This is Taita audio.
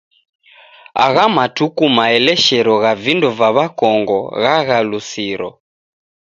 Agha matuku maeleshero gha vindo va w'akongo ghaghalusiro.